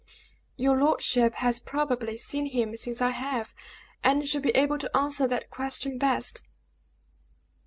"Your lordship has probably seen him since I have, and should be able to answer that question best."